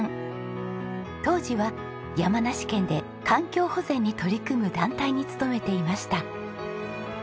当時は山梨県で環境保全に取り組む団体に勤めていました。